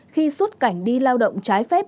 khi xuất cảnh đi lao động trái phép